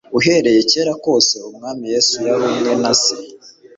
Uhereye kera kose Umwami Yesu yari umwe na Se; "